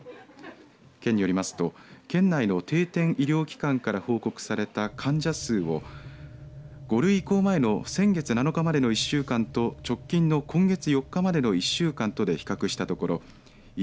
県によりますと、県内の定点医療機関から報告された患者数を５類移行前の先月７日までの１週間と直近の今月４日までの１週間とで比較したところ１